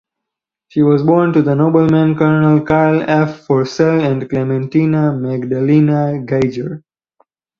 She was born to the nobleman colonel Carl af Forsell and Clementina Magdalena Geijer.